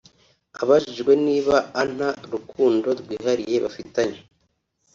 Abajijwe nib anta rukundo rwihariye bafitanye